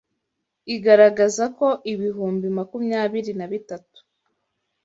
igaragaza ko ibihumbi makumyabiri na bitatu